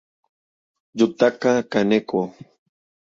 Yutaka Kaneko